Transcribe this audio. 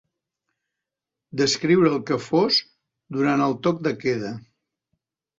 D'escriure el que fos durant el toc de queda.